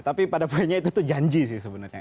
tapi pada poinnya itu tuh janji sih sebenarnya